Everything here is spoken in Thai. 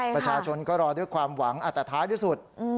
ประชาชนก็รอด้วยความหวังแต่ท้ายที่สุด